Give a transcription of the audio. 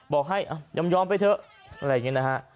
บอกให้ยอมไปเถอะอะไรอย่างนี้นะฮะ